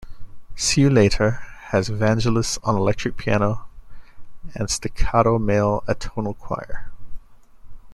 "See You Later" has Vangelis on electric piano and staccato male atonal choir.